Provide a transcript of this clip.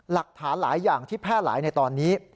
หลักฐานหลายอย่างที่แพร่หลายในตอนนี้